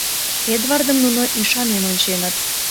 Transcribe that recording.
Эдвардым нуно ӱшанен онченыт.